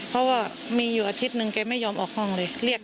เพราะว่ามีอยู่อาทิตย์หนึ่งแกไม่ยอมออกห้องเลย